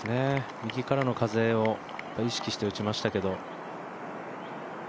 右からの風を意識して打ちましたけど。